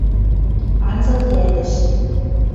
Анзыл рядӹш